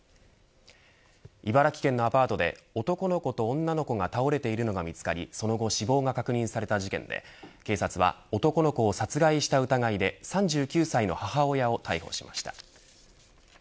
茨城県のアパートで男の子と女の子が倒れているのが見つかりその後死亡が確認された事件で警察は男の子を殺害した疑いで３９歳の母親を逮捕しました。